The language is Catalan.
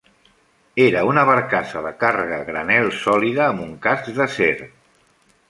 Era una barcassa de càrrega a granel sòlida amb un casc d'acer.